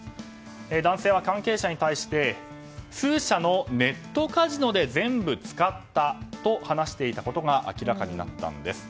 男性は関係者に対して数社のネットカジノで全部使ったと話していたことが明らかになったんです。